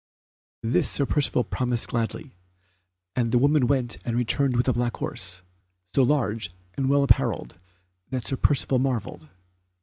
This Sir Percivale promised gladly, and the woman went and returned with a black horse, so large and well apparelled that Sir Percivale marvelled.